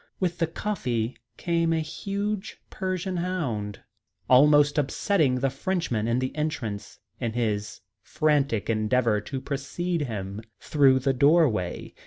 With the coffee came a huge Persian hound, almost upsetting the Frenchman in the entrance in his frantic endeavour to precede him through the doorway.